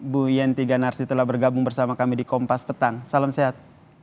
bu yenti ganarsi telah bergabung bersama kami di kompas petang salam sehat